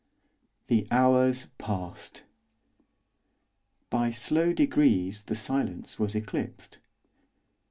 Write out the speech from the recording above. The hours passed. By slow degrees, the silence was eclipsed.